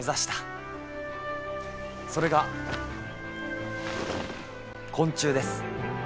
それが昆虫です。